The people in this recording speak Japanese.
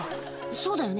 「そうだよね」